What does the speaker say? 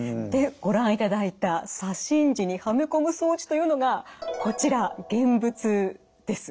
ご覧いただいた左心耳にはめこむ装置というのがこちら現物です。